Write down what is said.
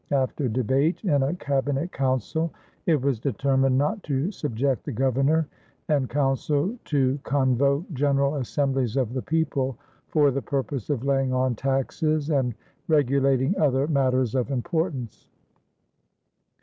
After debate in a cabinet council, it was determined "not to subject the Governor and council to convoke general assemblies of the people, for the purpose of laying on taxes and regulating other matters of importance."